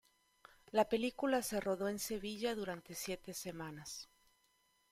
La película se rodó en Sevilla durante siete semanas.